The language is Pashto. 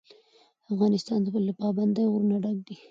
افغانستان له پابندی غرونه ډک دی.